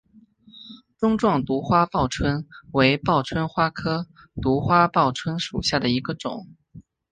钟状独花报春为报春花科独花报春属下的一个种。